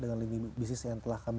dengan lini bisnis yang telah kami